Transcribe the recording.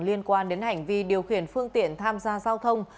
liên quan đến hành vi điều khiển phương tiện tham gia giao thông